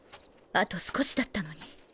あと少しだったのに。